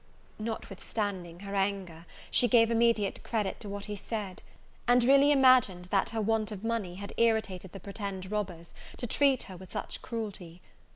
Notwithstanding, her anger, she gave immediate credit to what he said; and really imagined that her want of money had irritated the pretended robbers to treat her with such cruelty.